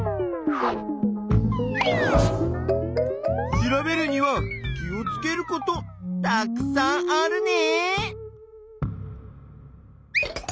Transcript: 調べるには気をつけることたくさんあるね！